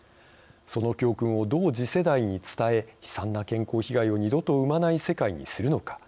その教訓を、どう次世代に伝え悲惨な健康被害を二度と生まない世界にするのか。